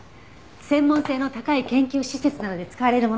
専門性の高い研究施設などで使われるものです。